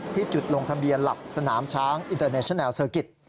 ที่จุดลงทะเบียนหลักสนามช้างอินเตอร์เนชแลลเซอร์กิจ